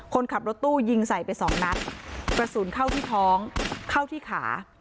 คนขับรถตู้ยิงใส่ไปสองนัดกระสุนเข้าที่ท้องเข้าที่ขา